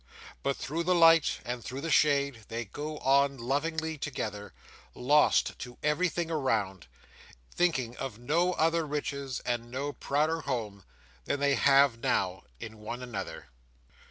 But through the light, and through the shade, they go on lovingly together, lost to everything around; thinking of no other riches, and no prouder home, than they have now in one another.